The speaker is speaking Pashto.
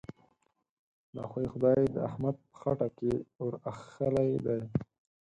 دا خوی؛ خدای د احمد په خټه کې ور اخښلی دی.